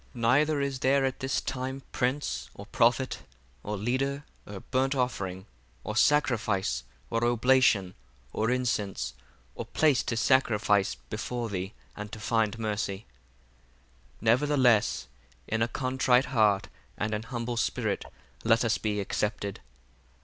15 Neither is there at this time prince, or prophet, or leader, or burnt offering, or sacrifice, or oblation, or incense, or place to sacrifice before thee, and to find mercy. 16 Nevertheless in a contrite heart and an humble spirit let us be accepted.